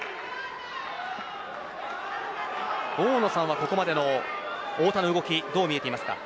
大野さんはここまでの太田の動きはどうみていますか。